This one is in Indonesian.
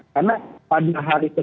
karena pada hari ke tujuh belas dua belas